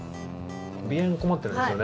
鼻炎に困ってるんですよね？